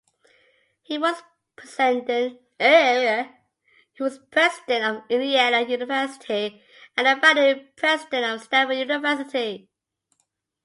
He was president of Indiana University and the founding president of Stanford University.